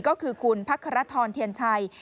ก็คือคุณพระคารทรเทียนชัย